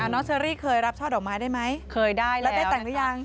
น้อเชอรี่เคยรับช่อดอกไม้ได้ไหมแล้วได้แต่งหรือยังเคยได้แล้ว